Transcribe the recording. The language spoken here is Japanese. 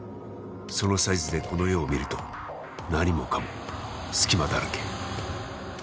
そのサイズでこの世を見ると何もかも隙間だらけ。